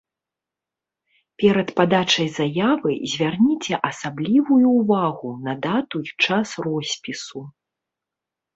Перад падачай заявы звярніце асаблівую ўвагу на дату і час роспісу.